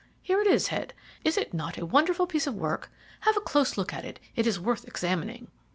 Here it is, Head. Is it not a wonderful piece of work? Have a close look at it, it is worth examining."